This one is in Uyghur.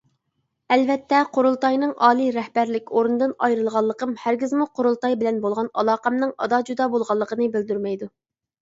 ئەلۋەتتە، قۇرۇلتاينىڭ ئالىي رەھبەرلىك ئورنىدىن ئايرىلغانلىقىم ھەرگىزمۇ قۇرۇلتاي بىلەن بولغان ئالاقەمنىڭ ئادا -جۇدا بولغانلىقىنى بىلدۈرمەيدۇ.